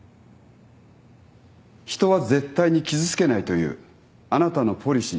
人は絶対に傷つけないというあなたのポリシー。